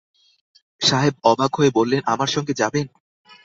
সাহেব অবাক হয়ে বললেন, আমার সঙ্গে যাবেন!